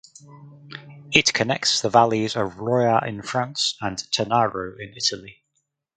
It connects the valleys of Roya in France and Tanaro in Italy.